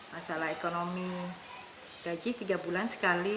masalah ekonomi gaji tiga bulan sekali